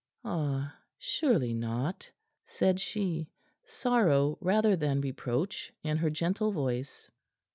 "Ah, surely not," said she, sorrow rather than reproach in her gentle voice.